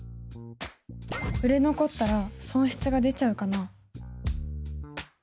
売れ残ったら損失が出ちゃうかな？